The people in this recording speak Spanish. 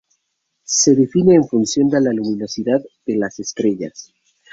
Se define en función de la luminosidad de las estrellas.